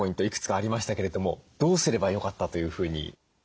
いくつかありましたけれどもどうすればよかったというふうに？